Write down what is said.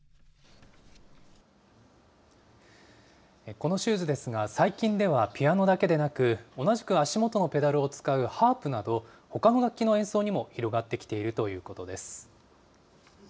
このシューズですが、最近ではピアノだけでなく、同じく足元のペダルを使うハープなど、ほかの楽器の演奏にも広がってきているということです。